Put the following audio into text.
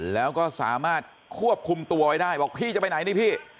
แล้วก็สามารถควบคุมตัวไว้ได้บอกพี่จะไปไหนนี่พี่